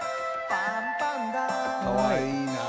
かわいいなあ。